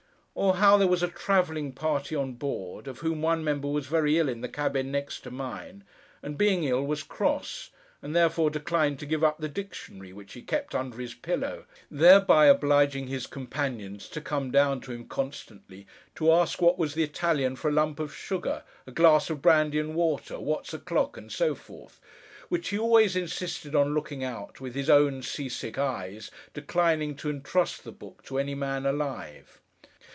Or how there was a travelling party on board, of whom one member was very ill in the cabin next to mine, and being ill was cross, and therefore declined to give up the Dictionary, which he kept under his pillow; thereby obliging his companions to come down to him, constantly, to ask what was the Italian for a lump of sugar—a glass of brandy and water—what's o'clock? and so forth: which he always insisted on looking out, with his own sea sick eyes, declining to entrust the book to any man alive.